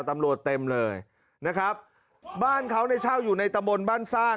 เต็มเลยนะครับบ้านเขาเนี่ยเช่าอยู่ในตะบนบ้านสร้าง